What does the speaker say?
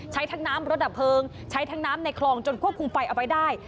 ใช้ทั้งน้ำรถดับเพลิงใช้ทั้งน้ำในคลองจนควบคุมไฟเอาไว้ได้